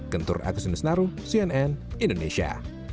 kentur agus nusnaru cnn indonesia